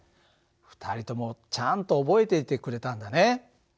２人ともちゃんと覚えていてくれたんだね。